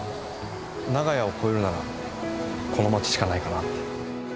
長屋を超えるならこの街しかないかなって。